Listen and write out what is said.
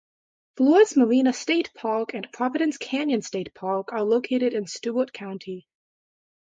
Florence Marina State Park and Providence Canyon State Park are located in Stewart County.